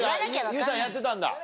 ＹＯＵさんやってたんだ？